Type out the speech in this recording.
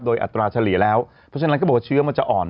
โดยอัตราเฉลี่ยแล้วเพราะฉะนั้นก็บอกว่าเชื้อมันจะอ่อน